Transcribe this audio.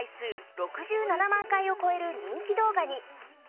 ６７万回を超える人気動画に。